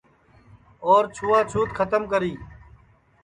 اور چھوا چھوت کھتم کری